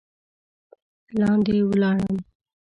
لاندې ولاړم.